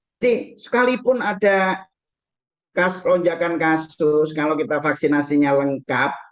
jadi sekalipun ada lonjakan kasus kalau kita vaksinasinya lengkap